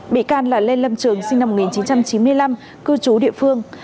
bị can là lê lâm trường sinh năm một nghìn chín trăm chín mươi năm cư trú địa phương